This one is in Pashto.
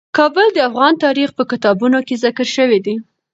کابل د افغان تاریخ په کتابونو کې ذکر شوی دي.